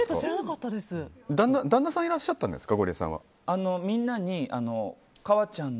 旦那さんがいらっしゃったんですか？